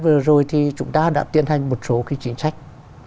vừa rồi thì chúng ta đã tiến hành một số cái chính sách